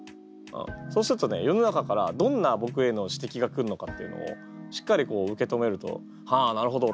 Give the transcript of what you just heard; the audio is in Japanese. そうするとね世の中からどんな僕への指摘が来るのかっていうのをしっかり受け止めるとはあなるほどと。